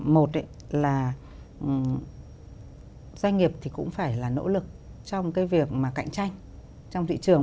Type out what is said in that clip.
một là doanh nghiệp thì cũng phải là nỗ lực trong cái việc mà cạnh tranh trong thị trường